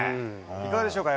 いかがでしょうか？